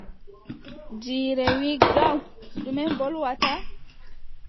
Jiire wii gaw: ɗume mbolwata?